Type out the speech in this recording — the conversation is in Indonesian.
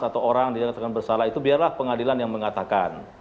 atau orang dinyatakan bersalah itu biarlah pengadilan yang mengatakan